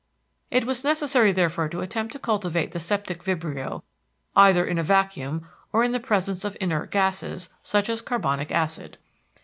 It was necessary therefore to attempt to cultivate the septic vibrio either in a vacuum or in the presence of inert gases—such as carbonic acid.